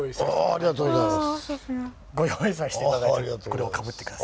ありがとうございます。